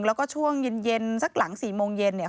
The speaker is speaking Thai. แล้วก็ช่วงเย็นสักหลัง๔โมงเย็นเนี่ย